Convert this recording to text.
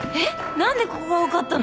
何でここが分かったの？